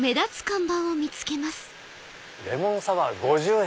「レモンサワー５０円」！